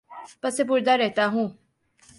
پس پردہ رہتا ہوں